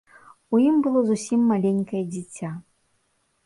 У ім было зусім маленькае дзіця.